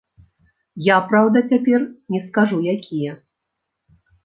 Я, праўда, цяпер не скажу, якія.